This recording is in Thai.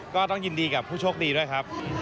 ก็ต้องยินดีกับผู้โชคดีด้วยครับ